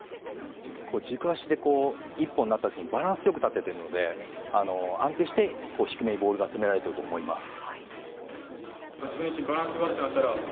軸足でこう、１本になったときにバランスよく立ててるので、安定して低めにボールが集められてると思います。